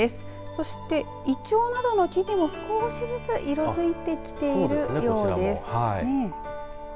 そして、イチョウなどの木々も少しずつ色づいてきているようです。